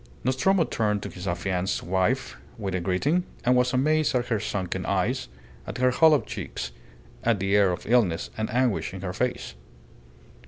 Nostromo turned to his affianced wife with a greeting, and was amazed at her sunken eyes, at her hollow cheeks, at the air of illness and anguish in her face.